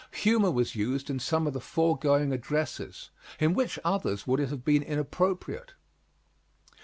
Humor was used in some of the foregoing addresses in which others would it have been inappropriate?